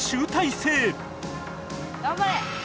「頑張れ！」